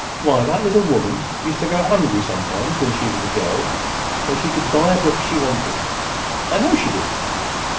Why, that little woman used to go hungry sometimes, when she was a girl, so she could buy a book she wanted. I know she did.